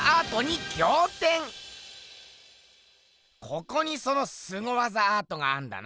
ここにそのすご技アートがあんだな？